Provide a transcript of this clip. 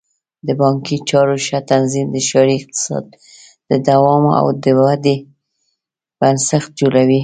د بانکي چارو ښه تنظیم د ښاري اقتصاد د دوام او ودې بنسټ جوړوي.